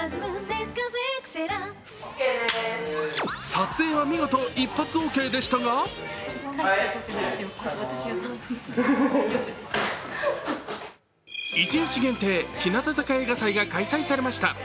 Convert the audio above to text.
撮影は見事一発オーケーでしたが一日限定、日向坂映画祭が開催されました。